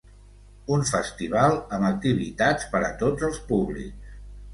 Un festival amb activitats per a tots els públics.